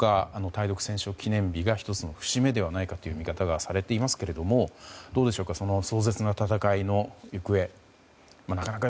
対独戦勝記念日が１つの節目ではないかという見方がされていますが壮絶な戦いの行方はどうなりますか。